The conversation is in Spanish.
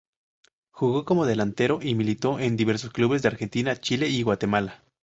Jugó como delantero y militó en diversos clubes de Argentina, Chile y Guatemala.